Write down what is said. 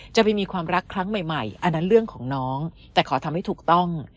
จะไปมีความรักครั้งใหม่อันนั้นเรื่องของน้องแต่ขอทำให้ถูกต้อง